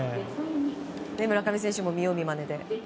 村上選手も見よう見まねで。